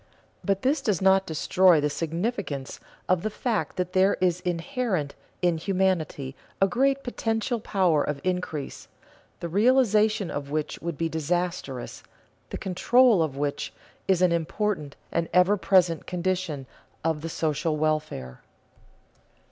But this does not destroy the significance of the fact that there is inherent in humanity a great potential power of increase, the realization of which would be disastrous, the control of which is an important and ever present condition of the social welfare.